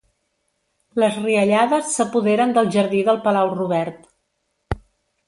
Les riallades s'apoderen del jardí del Palau Robert.